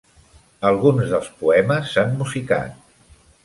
Alguns dels poemes s'han musicat.